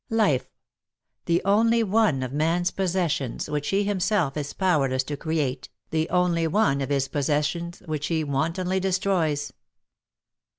Life — the only one of man's possessions which he himself is powerless to create, the only one of his possessions which he wantonly destroys.